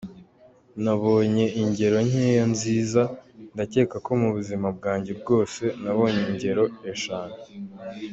Nabonye ingero nkeya nziza, ndakeka ko mu buzima bwanjye bwose nabonye ingero eshanu…”.